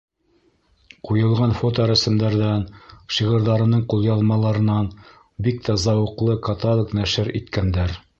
Ҡуйылған фоторәсемдәрҙән, шиғырҙарының ҡулъяҙмаларынан бик тә зауыҡлы каталог нәшер иткәндәр.